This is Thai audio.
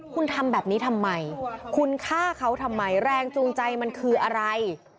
คุณทำแบบนี้ทำไมคุณฆ่าเขาทำไมแรงจูงใจมันคืออะไร